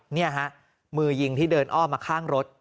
นี่ฮะมือยิงที่เดินอ้อมมาข้างรถ